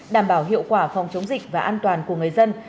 đảm bảo hiệu quả phòng chống dịch và an toàn của người dân